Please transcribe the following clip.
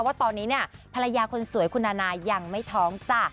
ว่าตอนนี้เนี่ยภรรยาคนสวยคุณนานายังไม่ท้องจ้ะ